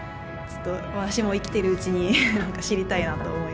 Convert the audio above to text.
私も生きてるうちに知りたいなと思いました。